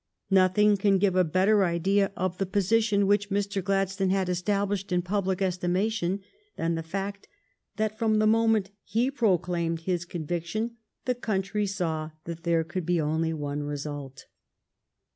Nothing can give a better idea of the position which Mr. Gladstone had estab lished in public estimation than the fact that from the moment he proclaimed his conviction the country saw that there could be only one result.